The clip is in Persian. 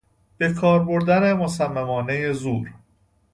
به کار بردن مصممانهی زور